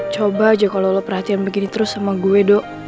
coba aja kalau lo perhatian begini terus sama gue dok